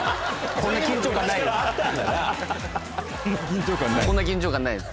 こんな緊張感ない？